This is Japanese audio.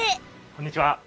こんにちは。